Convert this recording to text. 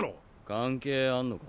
関係あんのか？